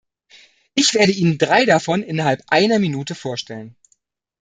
Ich werde Ihnen drei davon innerhalb einer Minute vorstellen.